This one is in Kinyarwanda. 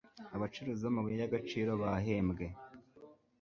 abacukuzi b'amabuye y'agaciro bahembwe